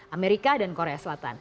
amerika dan korea selatan